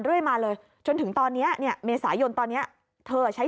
เรื่อยมาเลยจนถึงตอนนี้เนี่ยเมษายนตอนนี้เธอใช้